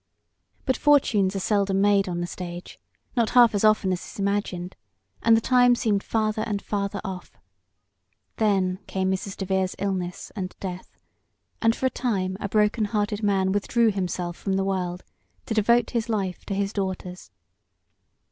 But fortunes are seldom made on the stage not half as often as is imagined and the time seemed farther and farther off. Then came Mrs. DeVere's illness and death, and for a time a broken hearted man withdrew himself from the world to devote his life to his daughters.